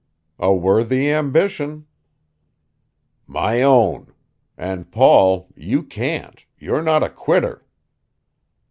"A worthy ambition." "My own. And, Paul, you can't you're not a quitter."